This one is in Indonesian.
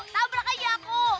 tabrak aja aku